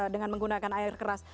dengan menggunakan air keras